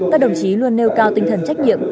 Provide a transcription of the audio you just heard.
các đồng chí luôn nêu cao tinh thần trách nhiệm